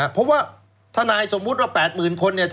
เพราะว่าถนายสมมติละ๘หมื่นคนเนี่ย